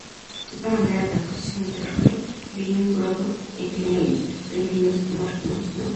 La primera manera de transportación es ferrocarril Vilnius-Grodno en que viene el tren Vilnius-Marcinkonys.